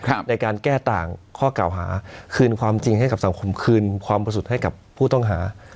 ในการแก้ต่างข้อเก่าหาคืนความจริงให้กับสังคมคืนความประสุทธิ์ให้กับผู้ต้องหา